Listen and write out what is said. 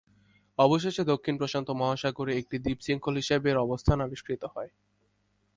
অবশেষে দক্ষিণ প্রশান্ত মহাসাগরে একটি দ্বীপ শৃঙ্খল হিসেবে এর অবস্থান আবিষ্কৃত হয়।